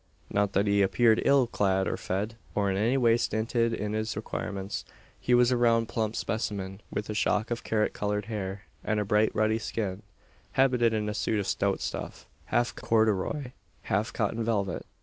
Not that he appeared ill clad or fed, or in any way stinted in his requirements. He was a round plump specimen, with a shock of carrot coloured hair and a bright ruddy skin, habited in a suit of stout stuff half corduroy, half cotton velvet.